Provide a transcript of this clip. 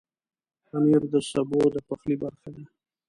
پنېر د سبو د پخلي برخه ده.